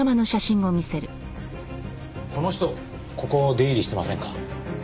この人ここ出入りしてませんか？